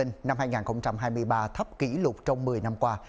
năm hai nghìn hai mươi ba thấp kỷ lục trong một mươi năm qua